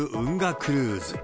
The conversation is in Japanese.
クルーズ。